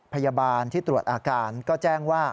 พยาบาลที่ตรวจอาการก็แจ้งว่า